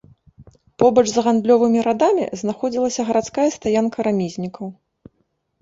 Побач з гандлёвымі радамі знаходзілася гарадская стаянка рамізнікаў.